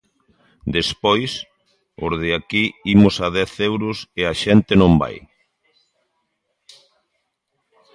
Despois, os de aquí imos a dez euros e a xente non vai.